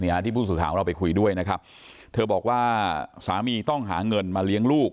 ที่ผู้สื่อข่าวของเราไปคุยด้วยนะครับเธอบอกว่าสามีต้องหาเงินมาเลี้ยงลูก